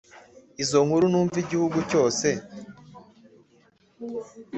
Izo nkuru numva igihugu cyose